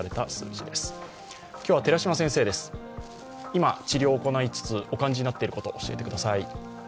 今、治療を行いつつ、お感じになっていることを教えてください。